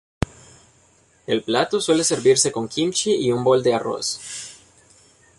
El plato suele servirse con "kimchi" y un bol de arroz.